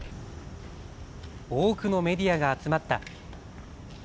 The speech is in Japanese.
多くのメディアが集まった。